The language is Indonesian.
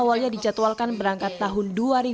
ilyas awalnya dicatwalkan berangkat tahun dua ribu delapan belas